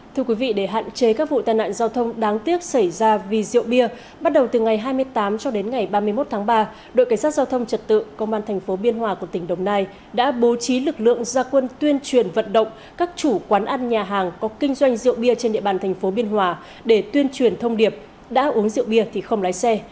thưa quý vị để hạn chế các vụ tai nạn giao thông đáng tiếc xảy ra vì rượu bia bắt đầu từ ngày hai mươi tám cho đến ngày ba mươi một tháng ba đội cảnh sát giao thông trật tự công an thành phố biên hòa của tỉnh đồng nai đã bố trí lực lượng gia quân tuyên truyền vận động các chủ quán ăn nhà hàng có kinh doanh rượu bia trên địa bàn thành phố biên hòa để tuyên truyền thông điệp đã uống rượu bia thì không lái xe